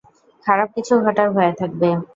খারাপ কিছু ঘটার ভয়ে থাকবে।